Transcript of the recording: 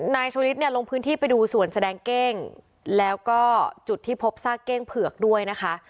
นายชุลิศเนี่ยลงพื้นที่ไปดูสวนแสดงเก้งแล้วก็จุดที่พบซากเก้งเผือกด้วยนะคะ